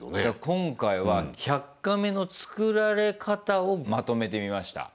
今回は「１００カメ」の作られ方をまとめてみました。